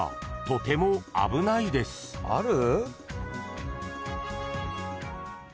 ある？